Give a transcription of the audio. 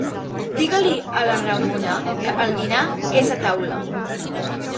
Digue-li a la Ramona que el dinar és a taula.